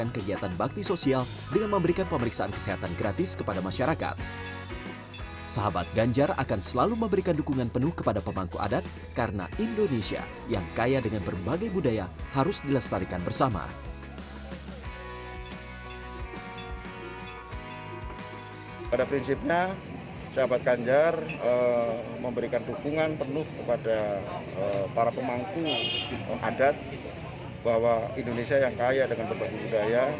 kita memberikan dukungan penuh kepada para pemangku adat bahwa indonesia yang kaya dengan berbagai budaya